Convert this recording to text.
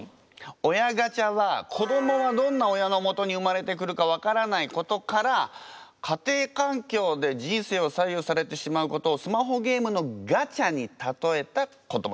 親ガチャは子どもはどんな親のもとに生まれてくるか分からないことから家庭環境で人生を左右されてしまうことをスマホゲームのガチャにたとえた言葉なんだって。